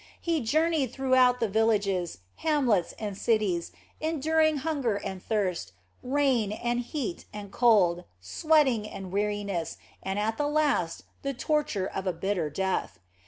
He journeyed throughout the villages, hamlets, and cities, enduring hunger and thirst, rain and heat and cold, sweating and weariness, and at last the torture of a bitter death.